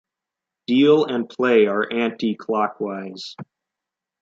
Deal and play are anticlockwise.